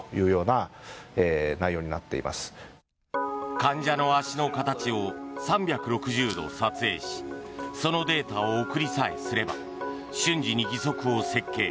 患者の足の形を３６０度撮影しそのデータを送りさえすれば瞬時に義足を設計。